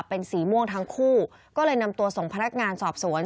เป็นสีม่วงทั้งคู่ก็เลยนำตัวส่งพนักงานสอบสวน